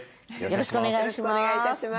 よろしくお願いします。